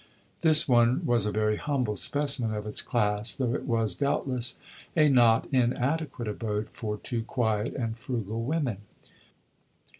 This one was a very humble specimen of its class, though it was doubtless a not inadequate abode for two quiet and frugal women.